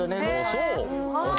そう？